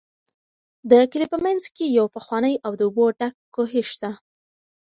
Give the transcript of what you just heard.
د کلي په منځ کې یو پخوانی او د اوبو ډک کوهی شته.